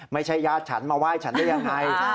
ไม่ใช่ญาติฉันมาไหว้ฉันได้ยังไง